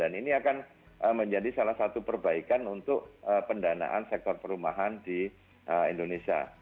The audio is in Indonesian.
dan ini akan menjadi salah satu perbaikan untuk pendanaan sektor perumahan di indonesia